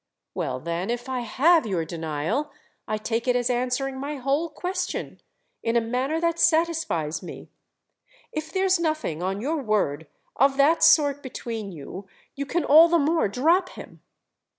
"Well then if I have your denial I take it as answering my whole question—in a manner that satisfies me. If there's nothing, on your word, of that sort between you, you can all the more drop him."